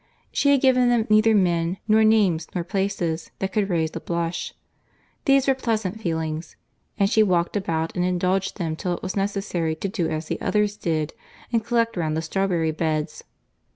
She had given them neither men, nor names, nor places, that could raise a blush. These were pleasant feelings, and she walked about and indulged them till it was necessary to do as the others did, and collect round the strawberry beds.